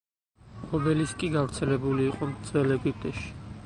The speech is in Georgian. ობელისკი გავრცელებული იყო ძველ ეგვიპტეში.